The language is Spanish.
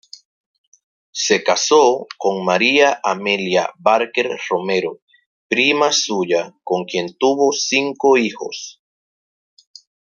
Se casó con María Amelia Barker Romero, prima suya, con quien tuvo cinco hijos.